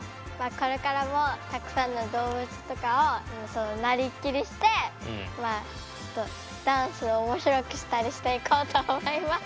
これからもたくさんの動物とかをなりきりしてまあダンスをおもしろくしたりしていこうと思います。